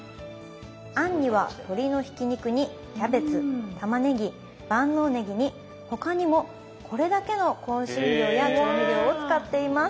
餡には鶏のひき肉にキャベツたまねぎ万能ねぎに他にもこれだけの香辛料や調味料を使っています。